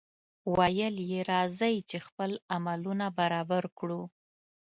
ویل یې راځئ! چې خپل عملونه برابر کړو.